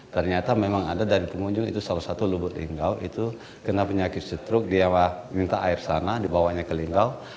ternyata memang ada dari pengunjung itu salah satu lubuk linggau itu kena penyakit struk dia minta air sana dibawanya ke linggau